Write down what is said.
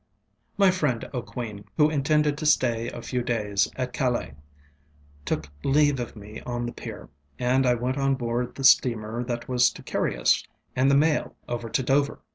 My friend OŌĆÖKweene, who intended to stay a few days at Calais, took leave of me on the pier, and I went on board the steamer that was to carry us and the mail over to Dover.